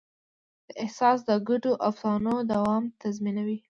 دا احساس د ګډو افسانو دوام تضمینوي.